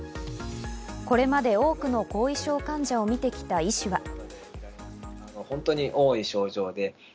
これまで多くの後遺症患者を診てきた医師は。